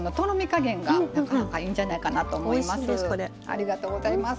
ありがとうございます。